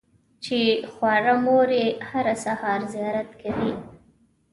چې خواره مور یې هره سهار زیارت کوي.